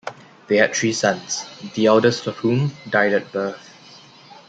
They had three sons, the eldest of whom died at birth.